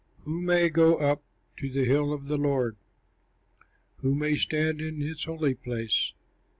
Who may go up to the hill of the Lord? Who may stand in his holy place?